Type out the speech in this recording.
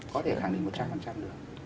có thể khẳng định một trăm linh được